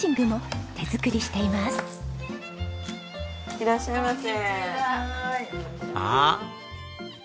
いらっしゃいませ。